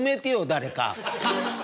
誰か。